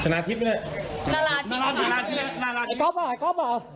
นาราทิพย์นาราทิพย์นาราทิพย์ไอ้ก๊อบอ่ะไอ้ก๊อบอ่ะ